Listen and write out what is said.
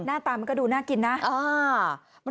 หน้าตามันก็ดูน่ากินนะ